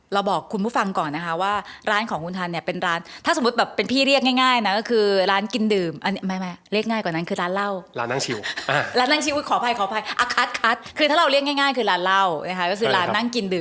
เราบอกคุณผู้ฟังก่อนนะคะว่าร้านของคุณทันเนี่ยเป็นร้าน